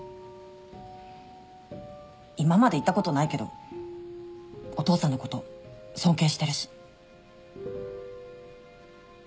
今まで言ったことないけどお父さんのこと尊敬してるし。